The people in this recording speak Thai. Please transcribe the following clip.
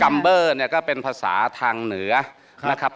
เบอร์เนี่ยก็เป็นภาษาทางเหนือนะครับ